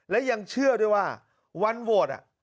และยังเชื่อด้วยว่าวันโหวต